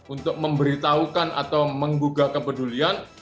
untuk memberitahukan atau menggugah kepedulian